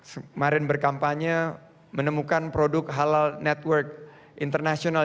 kemarin berkampanye menemukan produk halal network international